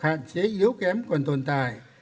hạn chế yếu kém còn tồn tại